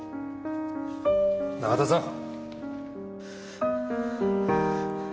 永田さん！